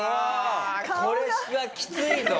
これはきついぞ！